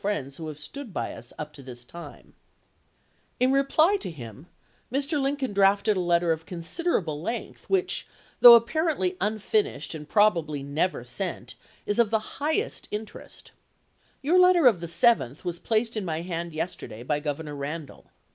86*' friends who have stood by us up to this time." THE JAQUESS GILMORE MISSION 215 In reply to him Mr. Lincoln drafted a letter of chap.ix. considerable length which, though apparently un 1864. finished and probably never sent, is of the highest interest :" Your letter of the 7th was placed in my hand yesterday by Governor Randall.